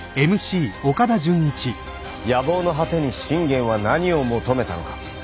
野望の果てに信玄は何を求めたのか？